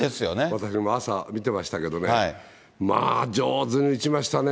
私も朝見てましたけどね、まあ上手に打ちましたね。